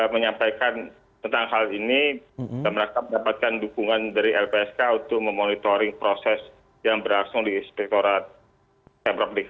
menyampaikan tentang hal ini dan mereka mendapatkan dukungan dari lpsk untuk memonitoring proses yang berlangsung di inspektorat pemprov dki